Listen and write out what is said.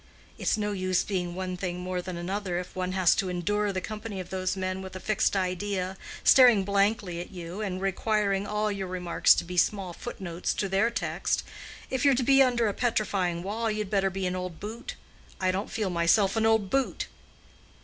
"It's no use being one thing more than another if one has to endure the company of those men with a fixed idea, staring blankly at you, and requiring all your remarks to be small foot notes to their text. If you're to be under a petrifying wall, you'd better be an old boot. I don't feel myself an old boot."